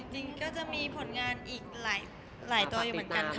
จริงก็จะมีผลงานอีกหลายตัวอยู่เหมือนกันค่ะ